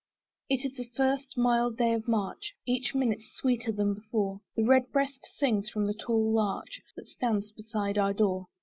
It is the first mild day of March: Each minute sweeter than before, The red breast sings from the tall larch That stands beside our door.